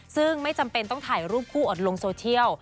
ซึ่งไม่จำเป็นต้องถ่ายรูปคู่อดลงโซเชียล